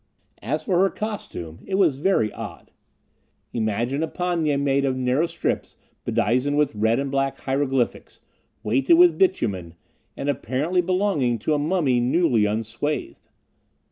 As for her costume, it was very odd. Imagine a pagne made of narrow strips bedizened with red and black hieroglyphics, weighted with bitumen, and apparently belonging to a mummy newly unswathed.